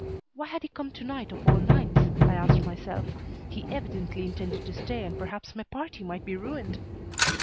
Why had he come to night of all nights? I asked myself. He evidently intended to stay and perhaps my party might be ruined.